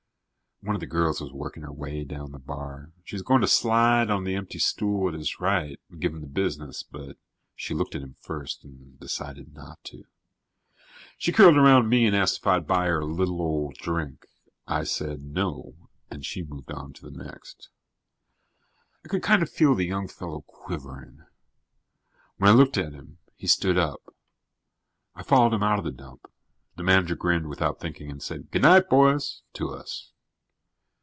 One of the girls was working her way down the bar. She was going to slide onto the empty stool at his right and give him the business, but she looked at him first and decided not to. She curled around me and asked if I'd buy her a li'l ole drink. I said no and she moved on to the next. I could kind of feel the young fellow quivering. When I looked at him, he stood up. I followed him out of the dump. The manager grinned without thinking and said, "G'night, boys," to us.